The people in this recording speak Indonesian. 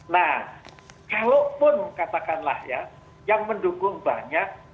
nah kalaupun katakanlah ya yang mendukung banyak